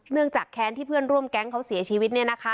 จากแค้นที่เพื่อนร่วมแก๊งเขาเสียชีวิต